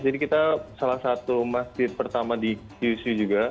jadi kita salah satu masjid pertama di kyushu juga